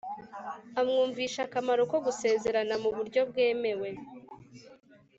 amwumvisha akamaro ko gusezerana mu buryo bwemewe